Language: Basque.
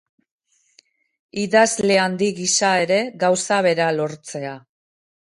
Idazle Handi gisa ere gauza bera lortzea.